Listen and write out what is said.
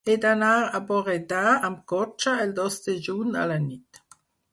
He d'anar a Borredà amb cotxe el dos de juny a la nit.